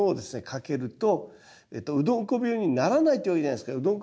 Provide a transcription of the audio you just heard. かけるとうどんこ病にならないっていうわけじゃないですけどう